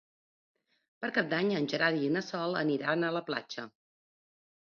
Per Cap d'Any en Gerard i na Sol aniran a la platja.